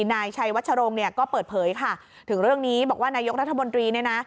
นายชัยวัชรงค์เนี่ยก็เปิดเผยค่ะถึงเรื่องนี้บอกว่านายกรัฐมนตรีเนี่ยนะ